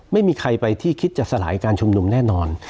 ไม่มีใครไปที่คิดจะสลายการชุมนุมแน่นอน